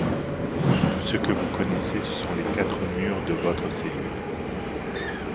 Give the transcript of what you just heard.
Tout ce que vous connaissez, ce sont les quatre murs de votre cellule.